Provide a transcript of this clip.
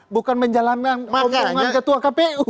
bukan menjalankan rombongan ketua kpu